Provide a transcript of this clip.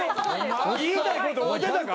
言いたいこと合うてたか？